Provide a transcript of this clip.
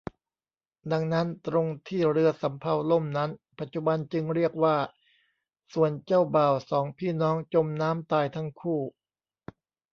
ดังนั้น ตรงที่เรือสำเภาล่มนั้นปัจจุบันจึงเรียกว่า ส่วนเจ้าบ่าวสองพี่น้องจมน้ำตายทั้งคู่